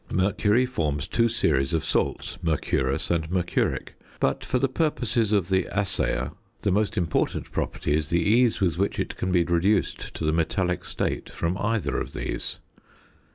Mercury forms two series of salts, mercurous and mercuric, but for the purposes of the assayer the most important property is the ease with which it can be reduced to the metallic state from either of these.